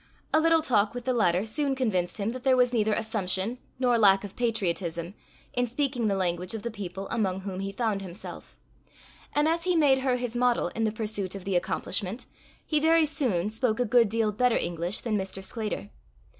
A little talk with the latter soon convinced him that there was neither assumption nor lack of patriotism in speaking the language of the people among whom he found himself; and as he made her his model in the pursuit of the accomplishment, he very soon spoke a good deal better English than Mr. Sclater.